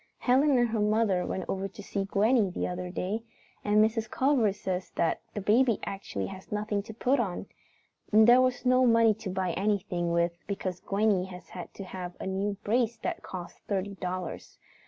Helen and her mother went over to see Gwenny the other day, and Mrs. Culver says that baby actually has nothing to put on. And there is no money to buy anything with because Gwenny has had to have a new brace that cost thirty dollars.